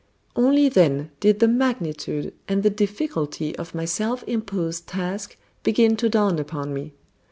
Only then did the magnitude and the difficulty of my self imposed task begin to dawn upon me.